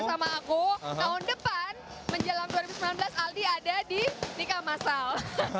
sama aku tahun depan menjelang dua ribu sembilan belas aldi ada di nikah masal